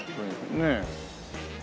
ねえ。